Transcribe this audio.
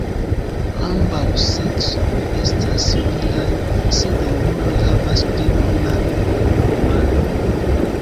Ambaŭ seksoj estas similaj, sed junuloj havas pli brunan plumaron.